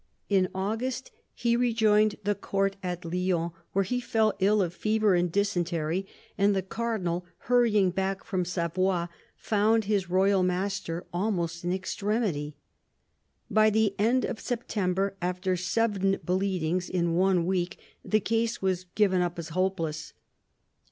In August he rejoined the Court at Lyons, where he fell ill of fever and dysentery, and the Cardinal, hurrying back from Savoy, found his royal master almost in extremity. By the end of September, after seven bleedings in one week, the case was given up as hopeless.